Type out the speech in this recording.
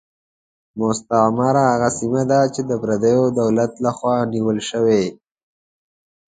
مستعمره هغه سیمه ده چې د پردیو دولت له خوا نیول شوې.